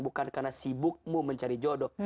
bukan karena sibukmu mencari jodoh